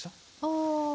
ああ。